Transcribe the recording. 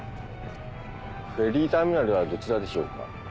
フェリーターミナルはどちらでしょうか？